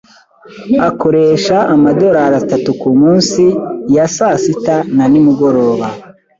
Akoresha amadorari atatu kumunsi ya sasita na nimugoroba.